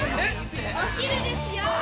お昼ですよ。